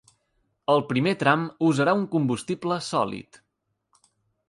El primer tram usarà un combustible sòlid.